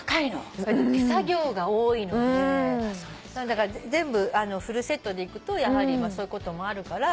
だから全部フルセットでいくとやはりそういうこともあるから。